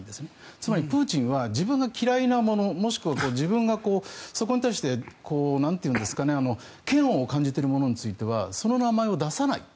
つまり、プーチンは自分が嫌いなものもしくは、自分がそこに対して嫌悪を感じているものについてはその名前を出さない。